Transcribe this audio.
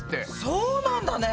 そうなんだね！